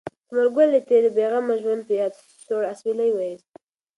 ثمر ګل د تېر بې غمه ژوند په یاد سوړ اسویلی ویوست.